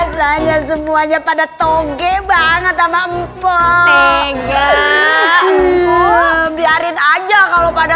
semuanya pada toge banget sama mp tiga biarin aja kalau pada